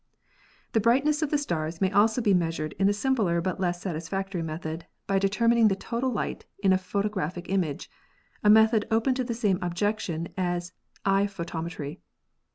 The brightness of the stars may also be measured in a simpler but less satisfactory method by determining the total light in a photographic image, a method open to the same objection as eye photometry.